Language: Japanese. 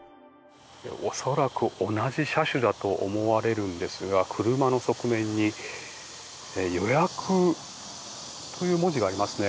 恐らく同じ車種だと思われるんですが車の側面に予約という文字がありますね。